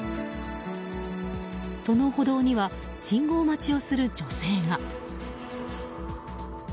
その歩道には信号待ちをする女性が。